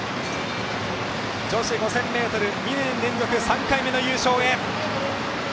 女子５０００ｍ２年連続３回目の優勝へ。